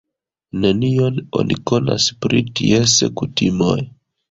Nenion oni konas pri ties kutimoj.